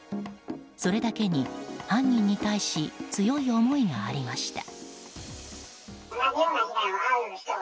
それだけに犯人に対し強い思いがありました。